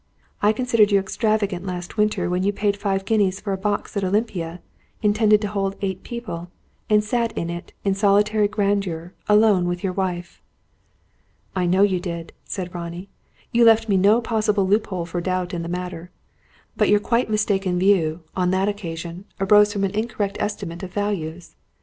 I considered you extravagant last winter when you paid five guineas for a box at Olympia, intended to hold eight people, and sat in it, in solitary grandeur, alone with your wife." "I know you did," said Ronnie. "You left me no possible loop hole for doubt in the matter. But your quite mistaken view, on that occasion, arose from an incorrect estimate of values.